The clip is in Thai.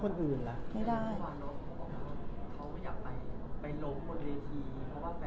เพราะว่าน้องเขาบอกว่าเขาไม่อยากไปล้มบนเวที